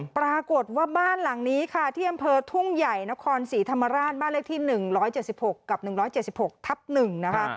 ปรากฏว่าบ้านหลังนี้ค่ะที่อำเภอทุ่งใหญ่นครศรีธรรมราชบ้านเลขที่๑๗๖กับ๑๗๖ทับ๑นะคะ